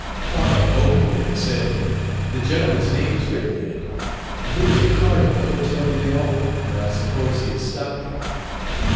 Papa opened it, and said 'the gentleman's name is written in it, and here is a card of the Hotel de Leon, where I suppose he is stopping.'